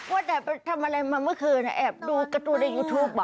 ว่าแต่ทำอะไรมาเมื่อคืนแอบดูการ์ตูในยูทูปเหรอ